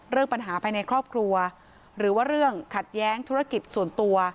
เรื่องปัญหาภายในครอบครัวหรือว่าเรื่องขัดแย้งธุรกิจส่วนตัว